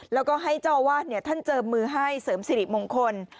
แล้วก็ให้เจ้าอาวาสท่านเจิมมือให้เสริมสิริมงคล